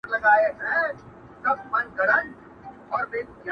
پرېږده ستا د تورو ګڼو وریځو د سیلیو زور!.